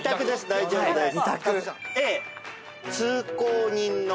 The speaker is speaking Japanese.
大丈夫です。